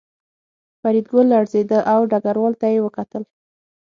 فریدګل لړزېده او ډګروال ته یې وکتل